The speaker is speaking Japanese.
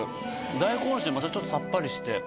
大根おろしでまたちょっとサッパリして。